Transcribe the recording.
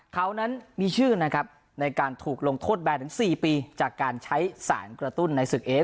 เขานั้นมีชื่อนะครับในการถูกลงโทษแบนถึง๔ปีจากการใช้สารกระตุ้นในศึกเอฟ